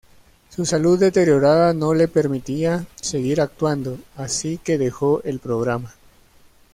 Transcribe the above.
Su salud deteriorada no le permitía seguir actuando, así que dejó el programa.